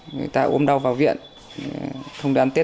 người ta ôm đau vào viện không đáng tiếc